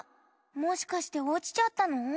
もしかしておちちゃったの？